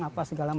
apa segala macam